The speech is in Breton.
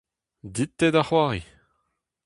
Dit-te da c'hoari !